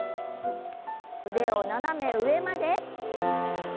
腕を斜め上まで。